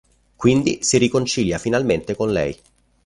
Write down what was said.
Quindi si riconcilia finalmente con lei.